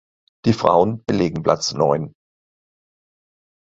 Die Frauen belegen Platz Neun.